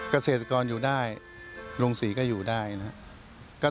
เกษตรกรอยู่ได้โรงศรีก็อยู่ได้นะครับ